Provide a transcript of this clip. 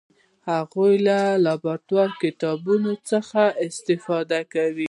هغه له لابراتوار او کتابتون څخه استفاده کوي.